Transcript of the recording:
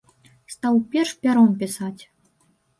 Стаў перш пяром пісаць.